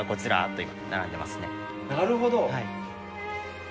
なるほど。